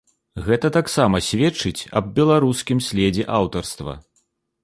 Гэта таксама сведчыць аб беларускім следзе аўтарства.